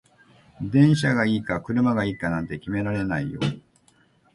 電車がいいか車がいいかなんて決められないよ